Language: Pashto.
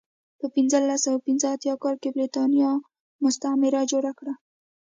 په پنځلس سوه پنځه اتیا کال کې برېټانیا مستعمره جوړه کړه.